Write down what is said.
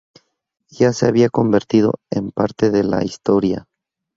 Ya se había convertido en parte de la historia.